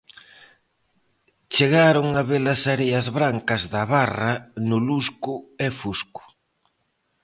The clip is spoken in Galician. Chegaron a ver as areas brancas da barra no lusco e fusco.